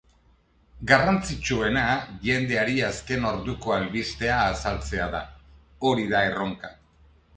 Garrantzitsuena jendeari azken orduko albistea azaltzea da, hori da erronka.